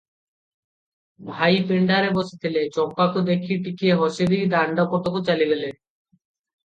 ଭାଇ ପିଣ୍ଡାରେ ବସିଥିଲେ, ଚମ୍ପାକୁ ଦେଖି ଟକିଏ ହସିଦେଇ ଦାଣ୍ଡ ପଟକୁ ଚାଲିଗଲେ!